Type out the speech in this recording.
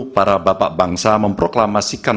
para bapak bangsa memproklamasikan